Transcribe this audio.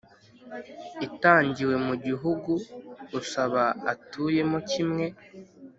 itangiwe mu gihugu usaba atuyemo kimwe